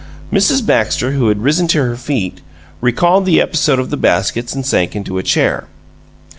Mrs. Baxter, who had risen to her feet, recalled the episode of the baskets and sank into a chair.